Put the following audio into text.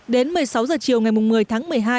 đến một mươi sáu h chiều ngày một mươi tháng một mươi hai